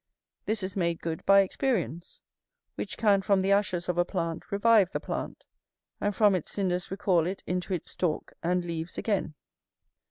This is made good by experience, which can from the ashes of a plant revive the plant, and from its cinders recall it into its stalk and leaves again.